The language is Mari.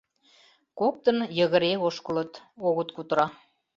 Коктын йыгыре ошкылыт, огыт кутыро.